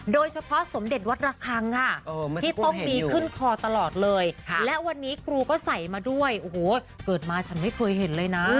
สมเด็จวัดระคังค่ะที่ต้องดีขึ้นคอตลอดเลยและวันนี้ครูก็ใส่มาด้วยโอ้โหเกิดมาฉันไม่เคยเห็นเลยนะ